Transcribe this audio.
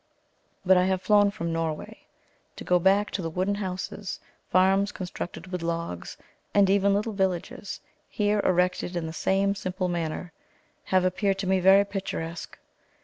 But I have flown from Norway. To go back to the wooden houses; farms constructed with logs, and even little villages, here erected in the same simple manner, have appeared to me very picturesque.